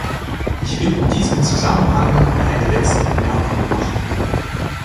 Ich will in diesem Zusammenhang eine letzte Bemerkung machen.